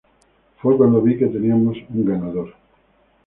Fue cuando vi que teníamos un ganador.